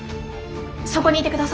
そこにいて下さい。